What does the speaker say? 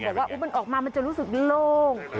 เป็นยังไงออกมามันจะรู้สึกโล่ง